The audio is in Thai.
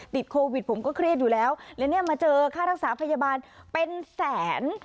ติดโควิดผมก็เครียดอยู่แล้วและเนี่ยมาเจอค่ารักษาพยาบาลเป็นแสน